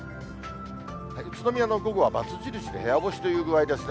宇都宮の午後はバツ印で、部屋干しという具合ですね。